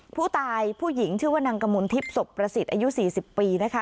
ผู้หญิงชื่อว่านางกมลทิพย์ศพประสิทธิ์อายุ๔๐ปีนะคะ